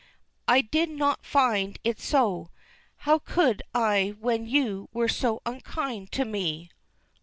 "I did not find it so. How could I when you were so unkind to me?"